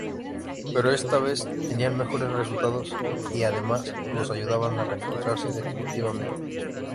Pero esta vez tenían mejores resultados y, además, los ayudaban a reencontrarse definitivamente.